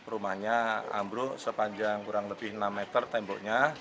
rumahnya ambruk sepanjang kurang lebih enam meter temboknya